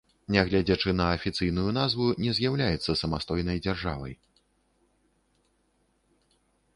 Нягледзячы на афіцыйную назву, не з'яўляецца самастойнай дзяржавай.